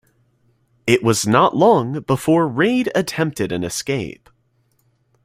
It was not long before Reid attempted an escape.